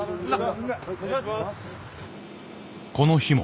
この日も。